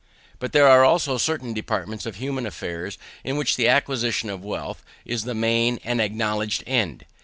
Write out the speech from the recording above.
But there are also certain departments of human affairs, in which the acquisition of wealth is the main and acknowledged end.